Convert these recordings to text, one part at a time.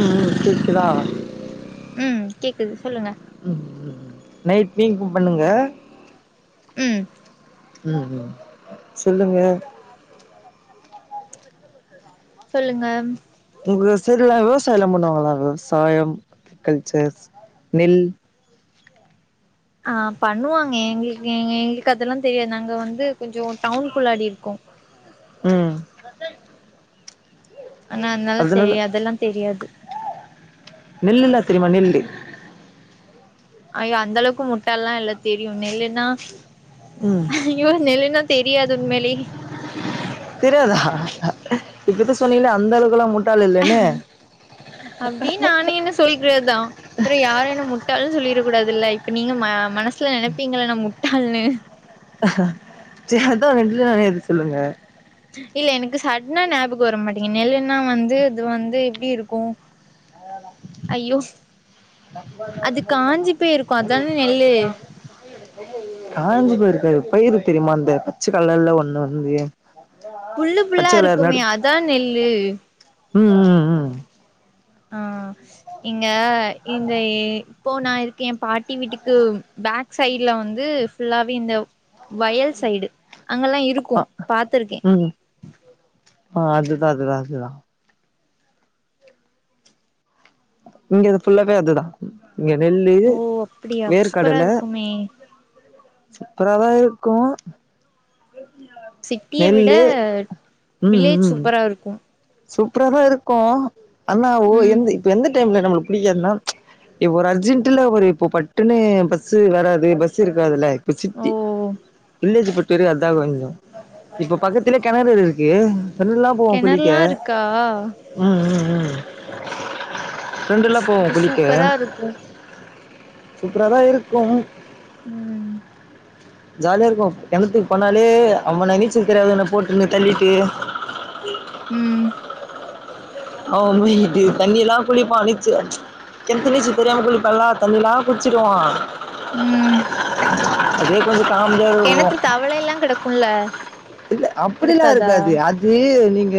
ம் கேக்குதா ம் கேக்குது சொல்லுங்க ம் நைட் நீங் குக் பண்ணிங்க ம் ம் ம் சொல்லுங்க சொல்லுங்க ஒங்க சைட்லா விவசாயலா பண்ணுவாங்களா மேம் சாயம் கல்ச்சர்ஸ் நெல் ஆ பண்ணுவாங்க எங்களுக்கு எங் எங்களுக்கு அதெல்லா தெரியாது நாங்க வந்து கொஞ்சோ டவுனுக்குள்ளாடி இருக்கோ ம் ஆனா அதனால தெரியாது அதெல்லா தெரியாது நெல்லுலா தெரிமா நெல்லு ஐய்யோ அந்த அளவுக்கு முட்டாள்லா இல்ல தெரியு நெல்லுன்னா ம் ஐய்யோ நெல்லுனா தெரியாது உண்மையிலே தெரியாதா இப்பதா சொன்னீல அந்த அளவுக்குலா முட்டாள் இல்லன்னு தேய்கர்தா அப்றோ யாரு என்ன முட்டால்னு சொல்லிட கூடாதில்ல இப்ப நீங்க ம மனசுல நெனப்பீங்கள என்ன முட்டாள்னு சேர் அதா ரெண்டுல எது சொல்லுங்க இல்ல எனக்கு சட்னா ஞாபக வரமாட்டீங்க நெல்லுன்னா வந்து இது வந்து எப்டி இருக்கு அதேதா அய்யோ இருக்கு அதான நெல்லு காஞ்சு போயிருக்காது பயிரு‌ தெரிமா அந்த பச்ச கலர்ல ஒன்னு வந்து புல்லு பச்ச புல்லா கலர் இருக்குமே நடு அதா நெல்லு ம் ம் ம் ஆ இங்க இந்த இப்போ நா இருக்கே பா ட்டி வீட்டுக்கு பேக் சைட்ல வந்து ஃபுல்லாவே இந்த வயல் சைடு அங்கெல்லா இருக்கு ஆ பாத்துருக்கே ம் ஆ அதுதா அதுதா அதுதா இங்க இது ஃபுல்லாவே அதுதா இங்க நெல்லு ஓ அப்டியா அப்ப சூப்பரா வேர்க்கடல இருக்குமே சூப்பராதா இருக்கு சிட்டிய விட நெல்லு வில்லேஜ் சூப்பரா இருக்கு சூப்பரா தா இருக்கு ஆனா ஓ ம் எந்த இப்ப எந்த டைம்ல நம்மளுக்கு புடிக்காதுன்னா எ ஒரு அர்ஜென்ட்டுல ஒரு இப்போ பட்டுனு பஸ்சு வராது பஸ்சு இருக்காதுல ப்ப ஓ சுத்தி வில்லேஜ் பொறுத்த‌ வர அதா கொஞ்ச இப்ப பக்கத்லே கெணறு வேற இருக்கு [unintelligible] ல்லா கெணறுல்லா இருக்கா ம் ம் ம் ஃப்ரெண்டுல்லா போவோ இப்ப குளிக்க சூப்பரா இருக்கு சூப்பராதா இருக்கு ம் ஜாலியா இருக்கு கெணத்துக்கு போனாலே அவன நீச்சல் தெரியாதவன போட்டுனு தள்ளிட்டு ம் அவ மூழ்கிட்டு தண்ணி எல்லா குளிப்பா நீச்சல் அ கெணத்து நீச்சல் தெரியாம குளிப்பல்லே தண்ணிலா குட்ச்சிடுவா ம் அதே கொஞ்ச காமெடியா இரு கெணத்து தவளல்லா கெடக்குல்ல இல்ல அப்படிலா கெடக்காதா இருக்காது அது நீங்க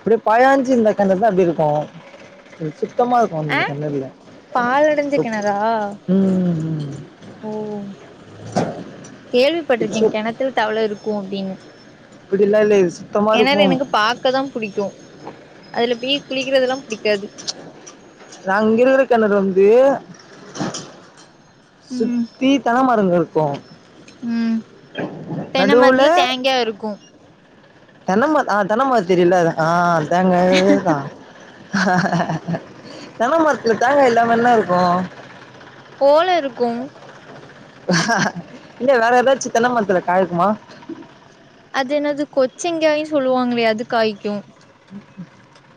அப்டியே பயாஞ்சு இருந்த கெணறு தா அப்டி இருக்கு இது சுத்தமா ஆ [unintelligible] கெணறுல பாழடஞ்ச கெணறா ம் ம் ம் ஓ இது கேள்விப்பட்ருக்கே சு கெணத்துல தவள இருக்கு அப்டின்னு அப்டில்லா இல்ல இது சுத்தமா இருக்கும் பாக்க தா புடிக்கு அதுல பேய் குளிக்கிறதலா பிடிக்காது நாங் இங்க இருக்கற கெணறு வந்து ம் சுத்தி தென்ன மரங்க இருக்கு ம் தென்ன மரத்துல நடுவுல தேங்கே இருக்கு தென்னமர ஆ தென்னமர தெரியுல்ல ஆ தேங்கா அதேதா தென்ன மரத்துல தேங்கா இல்லாம என்ன இருக்கு போல இருக்கும் இல்ல வேற ஏதாச்சு தென்னமரத்துல காய்க்குமா அது என்னது கொச்சங்காயு சொல்லுவாங்களே அது காய்க்கு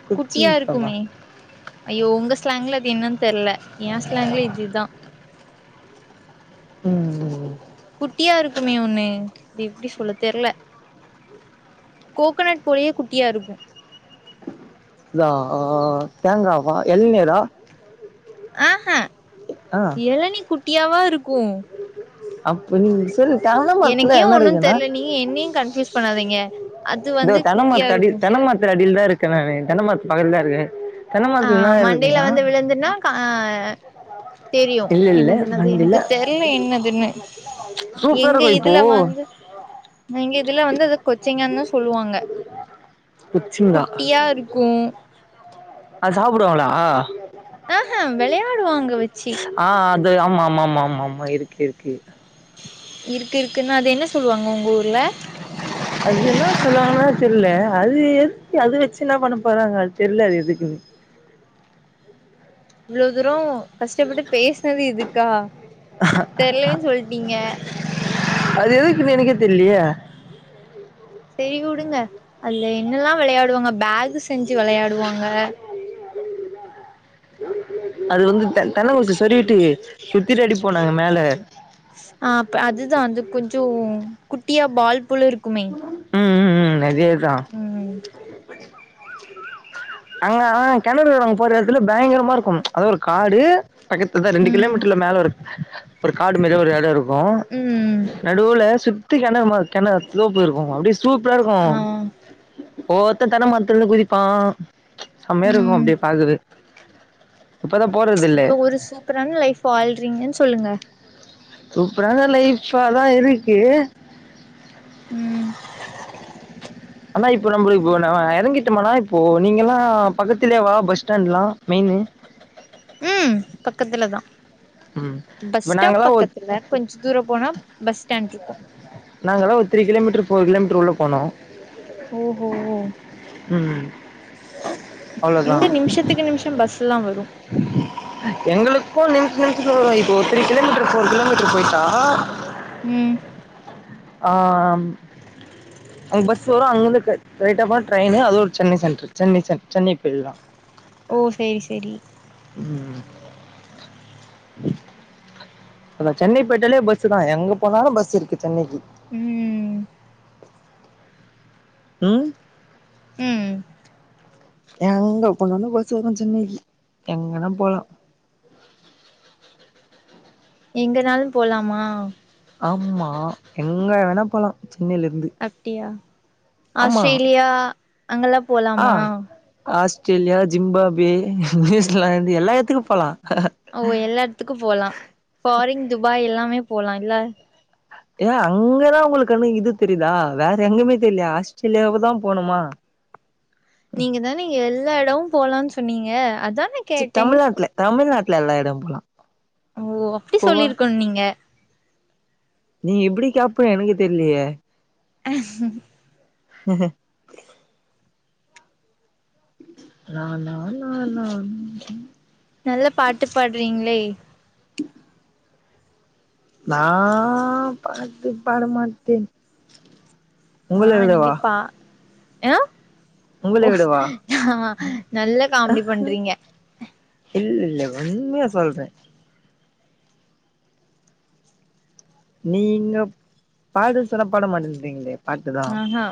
கொச்சி குட்டியா முக்கமா இருக்குமே ஐயோ உங்க ஸ்லாங்க்ல அது என்னன்னு தெர்ல எ ஸ்லாங்ல இதுதா ம் ம் குட்டியாருக்குமே ஒண்ணு அது எப்பிடி சொல்ல தெர்ல கோகனட் போலயே குட்டியாகருக்கு இதா ஆ தேங்காவா‌ இழநீரா ஆ ஹா ஆ எழநீ குட்டியாவாருக்கு அப்ப நீங்க சொல்லு தென்ன மரதத்துல என்ன இருக்குன்னா நீ என்னையு கன்பியூஸ் பண்ணாதீங்க அது இதோ வந்து தென்ன குட்டியா மரத்தடில இருக்கு தென்ன மரத்துல அடியில தா இருக்கே நானு தென்ன மரத்து பகல் தா இருக்கே தென்ன ஆ மரத்துல என்ன மண்டையில இருக்குன்னா வந்து விழுந்துன்னா ஆ தெரியு இல்ல இல்ல என்னதுன்னது மண்டில எனக்கு தெரியல என்னதுன்னு சூப்பரா எங்கே இருக்கு இப்போ இதுல வந்து எங்க இதுல வந்து அத கொச்சிங்கான தா சொல்லுவாங்க குச்சிங்கா குட்டியாருக்கு அது சாப்புடுவாங்களா ஆஹா வெளையாடுவாங்க அத வச்சி ஆ அது ஆமா ஆமா ஆமா ஆமா ஆமா இருக்கு இருக்கு இருக்கு இருக்குன்னா அது என்ன சொல்லுவாங்க உங்க ஊர்ல அது என்ன சொல்லுவாங்கன்னா தெர்ல அது எதுக்கு அது வச்சு என்னா பண்ண போறாங்க அது தெர்ல அது எதுக்குன்னு இவ்ளோ தூரோ கஷ்டப்பட்டு பேசுனது இதுக்கா தெர்லேன் சொல்லிட்டீங்க அது எதுக்குன்னு எனக்கே தெர்லியே சேரி உடுங்க அதுல என்னல்லா விளையாடுவாங்க பேக் செஞ்சு வெளையாடுவாங்க அது வந்து தென் தென்ன குச்சி சொரிகிட்டு சுத்திலா அடிப்போ நாங்க மேல ஆ அப் அதுதா அது கொஞ்சோ குட்டியா பால் போலருக்குமே ம் ம் ம் அதேதா ம் அங்க ஆ கெணறு நாங்க போற எடத்துல பயங்கரமாருக்கு அதாது ஒரு காடு பக்கத்து தா ரெண்டு ம் கிலோமீட்டர்ல மேல ஒரு ஒரு காடு மேரி ஒரு எடோருக் க்கு ம் நடுவுல சுத்தி கெணறு மா கெண தோப்புருக்கு அப்டி சூப்பராருக்கு ஆ ஒவ்வொருத்த தென்ன மரத்துலருந்து குதிப்பா செம்மையாருக்கு ம் அப்டியே பாக்குது இப்ப ஒரு சூப்பரான லைஃப் வாழ்றீங்கன்னு சொல்லுங்க சூப்பரான லைஃப்பாதா இருக்கு ம் ஆனா இப்போ நம்ளுக்கு உன்ன எறங்கிட்டோமனா இப்போ நீங்கல்லா பக்கத்திலேவா பஸ் ஸ்டாண்ட்லா மெயின்னு ம் பக்கத்துல தா ம் பஸ் இப்ப ஸ்டாப் நாங்கல்லா ஒரு பக்கத்துல கொஞ்சோ தூரோ போனா பஸ் ஸ்டாண்ட்ருக்கு நாங்கள்ல்லா ஒரு த்ரீ கிலோமீட்டரு ஃபோர் கிலோமீட்டரு உள்ள போனு ஓஹோ ம் அவ்ளோதா இங்க நிமிஷத்துக்கு நிமிஷோ பஸ்ல்லா வரு எங்களுக்கு நிமிஷ் நிமிஷ்த்தல வரு இப்போ த்ரீ கிலோமீட்டர் ஃபோர் கிலோமீட்டர் போயிட்டா ம் ஆ ம் அங்க பஸ் வரு அங்கேர்ந்து ஸ்ட்ரைட்டா போன ட்ரெயினு அதோட சென்னை சென்ட்ரு சென்னை சென் சென்னை போயில்லா ஓ சரி சரி ம் அதா சென்னை போயிட்டலே பஸ்ஸு தா எங்க போனாலு பஸ் இருக்கு சென்னைக்கி ம் ம் ம்ம் எங்க போனாலு பஸ் வரு சென்னைக்கி எங்கன்னா போலா எங்கனாலும் போலாமா ஆமா எங்கே வேணா போலாம் சென்னையில இருந்து அப்டியா ஆமா ஆஸ்திரேலியா அங்கெல்லாம் போலாமா ஆஸ்ட்ரேலியா ஜிம்பாபே நியூசிலாந்து எல்லா எடத்துக்கு போலா ஓ எல்லா எடத்துக்கு போலா ஃபாரின் துபாய் எல்லாமே போலா இல்ல ஏ அங்கதா உங்களுக்குன்னு இது தெரியுதா வேற எங்குமே தெர்லையா ஆஸ்ட்ரேலியாவதா போணுமா நீங்க தானே எல்லா எடமு போலான் சொன்னீங்க அதானே ச தமிழ்நாட்ல தமிழ்நாட்ல எல்லா எடம் போலா ஓ அப்டி போவா சொல்லிருக்கனு நீங்க நீ இப்டி கேப்ப எனக்கு தெர்லயே நாநா நாநா ம்ம் நல்ல பாட்டு பாட்றீங்ளே நா பாட்டு பாடமாட்டேன் ஆ நீங்க பா எஆ உங்களை ஓ விடவா ஆ நல்ல காமெடி பண்றீங்க இல்ல உண்மையா சொல்றே நீங்க பாடு சொன்னா பாட மாட்றீங்களே ஆஹா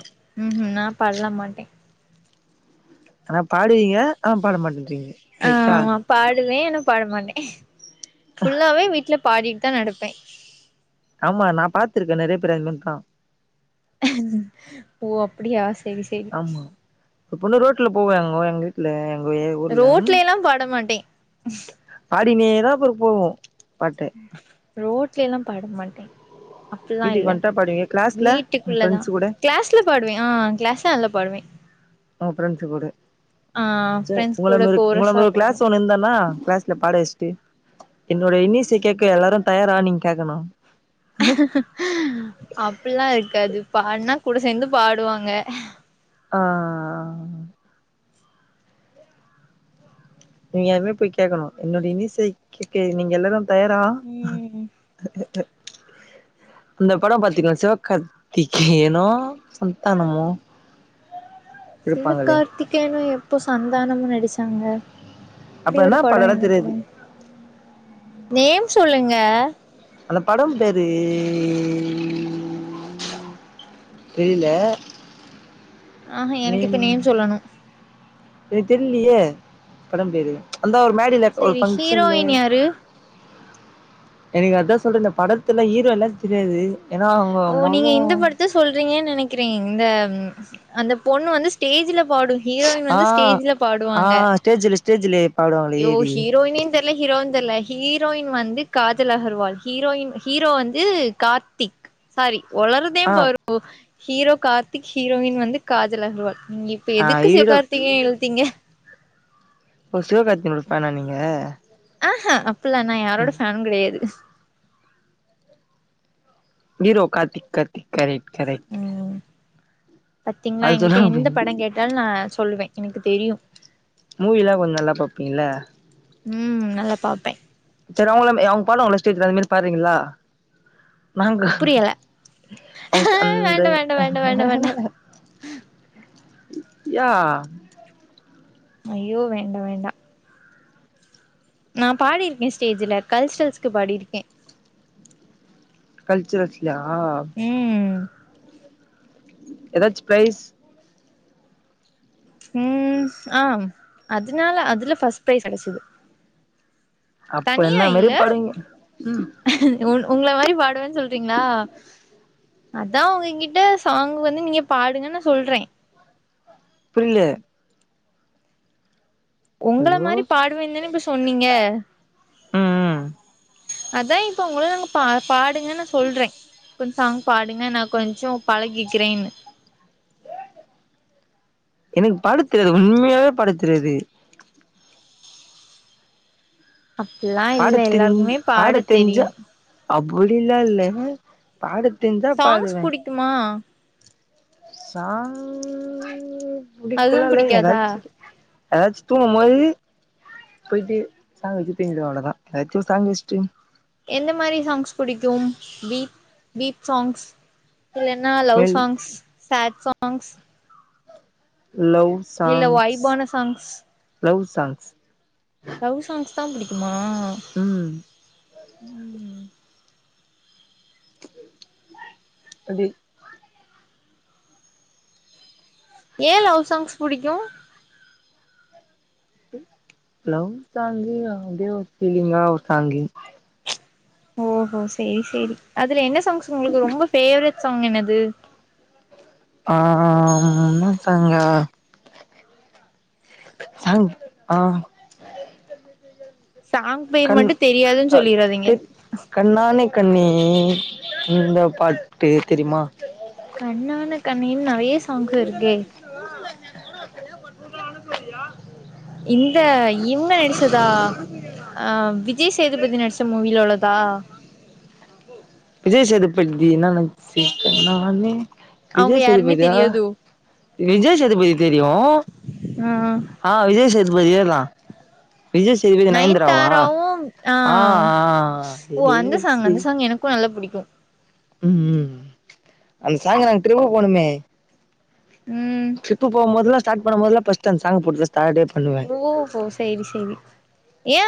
ம்ஹூ நா பாட்லா மாட்டே ஆனா பாடுவீங்க ஆனா பாட மாட்டேன்றீங்க ரைட்டா ஆமா பாடுவே ஆனா பாட மாட்டே ஃபுல்லாவே வீட்ல பாடிட் தா நடப்பே ஆமா நா பாத்திருக்கே நெறைய பேர் அது மாரி தா ஓ அப்டியா சரி சரி ஆமா ஒரு பொண்ணு ரோட்ல போவா எங்க எங்க வீட்ல எங்க ஊர்ல ரோட்ல எல்லா பாட மாட்டே பாடினே தா பாரு போவோ பாட்டு ரோட்ல எல்லாம் பாட மாட்டே அப்பிலா வீட்டுக்கு இல்ல வந்ட்டா பாடுவீங்க கிளாஸ்ல உங்க வீட்டுக்குள்ளதா ஃப்ரெண்ட்ஸ் கூட க்ளஸ் துல பாடுவே ஆ க்ளஸ்ல நல்லா பாடுவே நம்ம ஃப்ரண்ட்ஸ் கூட ஆ ச ஃப்ரெண்ட்ஸ் உங்கள கூட மாரி உங்கள கோரஸா மாரி ஒரு பாடுவோ க்ளஸ் ஒன்னு இருந்தேனா க்ளஸ் ல பாட வச்ட்டு என்னோட இன்னிசை கேக்க எல்லாரு தயாரா நீங் கேக்கணு அப்பில்லா இருக்காது பாடுனா கூட சேந்து பாடுவாங்க ஆ இங்க இருந்து போய் கேக்கணு என்னுடை இன்னிசை கேக்க நீங்க எல்லாரும் தயாரா ம் அந்த படொம் பாத்தீங்லா சிவக்காத்திகேயனோ சந்த்தானமோ சிவகார்த்திகேயனு எப்போ சந்தானமு நடிச்சாங்க அப்ப அப்டி ஒரு படொ படம்லா என்ன படொ தெரியாது நேம் சொல்லுங்க அந்த படம் பேரு தெரில ஆஹ எனக்கு இப்ப நேம் சொல்லணு எனக் தெர்லியே படம் பேரு அந்தா ஒரு மேடில ஒரு செரி பங்க்ஷன்ல ஹீரோயின் யாரு எனுக்கு அத்தா சொல்ற இந்த படத்துல ஹீரோல்லா தெரியாது எனா அவுங்க மொகோ சொல்றீங்கன் நெனைக்கறே இந்த அந்த பொண்ணு வந்து ஸ்டேஜ்ல பாடு ஹீரோயின் வந்து ஸ்டேஜ்ல பாடுவாங்க ஸ்டேஜ்ல ஸ்டேஜ்ல பாடுவாங்களே யோ ஏறி ஹீரோயினின் தெர்ல ஹீரோவா தெர்ல ஹீரோயின் வந்து காஜல் அகர்வால் ஹீரோயின் ஹீரோ வந்து கார்த்தி சாரி ஒளறுதே ஆ பாரு [inaudible] ஹீரோ கார்த்திக் ஹீரோயின் வந்து காஜல் அகர்வால் நீங்க இப்ப ஆ எதுக்கு ஹீரோ சிவகார்த்தீகேயன் இழுத்தீங்க ஓ சிவகார்த்தினோட ஃபேனா நீங்க ஆஹா அப்பல்லா நா யாரோட ம் ஃபேனு கடையாது hero Karthik Karthik correct correct பத்திங்ளா அது எங்கிட்ட சொல்லாம எந்த படங் கேட்டால் நா சொல்லுவே எனுக்கு தெரியு மூவிலா கொஞ் நல்லா பாப்பீங்கலா ம் நல்லா பாப்பே செரி அவுங்ளம் எ அவுங் பாடுவாங்கல்ல ஸ்டேஜ்ல அதுமாரி பாடுறீங்களா நாங்க புரியல அவுஸ் அந்த வேண்டா வேண்டா வேண்டா வேண்டா வேண்டா யா அய்யோ வேண்டா வேண்டா நா பாடிருக்கே ஸ்டேஜ்ல கல்ஸ்ரல்ஸ்க்கு பாடியிருக்கே கல்ச்சரல்ஸ்லயா ம் எதாச்சு ப்ரைஸ் ம் ஆ அதனால அதுல ஃபர்ஸ்ட் பிரைஸ் கெடச்சிது அப்ப என்ன மாரி பாடுவீங்க ம் உ உங்கள மாரி பாடுவன் சொல்றிங்களா அதா உங்ககிட்ட சாங் வந்து நீங்க பாடுங்கன் நா சொல்றே புரில உங்கள ஹலோ மாரி பாடுவேன்னு தான இப்ப சொன்னீங்க ம் ம் அதா இப்ப உங்கள நாங்க பா பாடுங்கன்னு நா சொல்றே இப்ப இந்த சாங் பாடுங்க நா கொஞ்சோ பழகிக்கிறேன்னு எனக்கு பாடத்தெரியாது உண்மையாவே பாடத்தெரியாது அப்பல்லா பாடத்தின் பாடத்தெஞ்சா அப்புடிலா இல்ல பாட தெரிஞ்சா பாடுவே டுமா சாங் புடிக்கலா அதுவும் இல்ல பிடிக்காதா எதாச்சு எதாச்சு தூங்கும்போது போயிட்டு சாங்க வச்சு தூங்கிடுவ அவ்ளதா எதாச்சு சாங்க் வேஸ்ட்டு எந்த மாரி சாங்ஸ் புடிக்கு பீப் பீப் சாங்ஸ் இல்லன்னா லவ் மெல் சாங்ஸ் சேட் சாங்ஸ் லவ் இல்ல சாங்ஸ் வைபான songs love songs love songs தா புடிக்குமா ம் அப்டி ஏ லவ் சாங்ஸ் புடிக்கு ஹலோ சாங்கு அதே ஒரு ஃபீலிங்கா ஒரு சாங்கு ஓஹோ செரி செரி அதுல என்ன சாங்ஸ் உங்களுக்கு ரொம்ப ஃபேவரிட் சாங் என்னது ஆம் என்ன சாங்கு சாங்கு ஆ சாங் பெயர் கண் மட்டும் தெரியாதுன்னு அ சொல்லிறாதீங்க தெ கண்ணானே கண்ணே இந்த பாட்டு தெரியுமா கண்ணான கண்ணே நெறைய சாங்ஸ் இருக்கே [inaudible] இந்த ம் நடிச்சதா அ விஜய் சேதுபதி நடிச் மூவியில உள்ளதா விஜய் சேதுபதி என்ன நடிச்சிருக்காரு நானே அவங்க விஜய் யாருன்னே சேதுபதியா தெரியாது விஜய் சேதுபதி தெரியும் ஆ விஜய்சேதுபதியே தா விஜய் சேதுபதி நயன்தாராவா நயன்தாராவும் ஆ ஓ அந்த சாங் ஏசி அந்த சாங் எனக்கும் நல்லா புடிக்கும் ம் அந்த சாங்கு நாங்க ட்ரிப் போனோமே ம் ட்ரிப் போகும் போதயெல்லா ஸ்டார்ட் பண்ணபோதல்லாம் ஃபஸ்ட சாங்க போட்டு ஸ்டார்டே பண்ணுவேன் ஓ கோ செரி செரி ஏன்